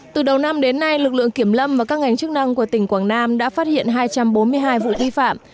từ đầu năm đến nay lực lượng kiểm lâm và các ngành chức năng của tỉnh quảng nam đã phát hiện hai trăm bốn mươi hai vụ vi phạm